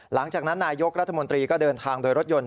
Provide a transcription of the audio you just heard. หลังจากนั้นนายยกรัฐมนตรีก็เดินทางโดยรถยนต์